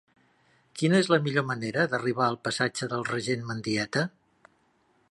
Quina és la millor manera d'arribar al passatge del Regent Mendieta?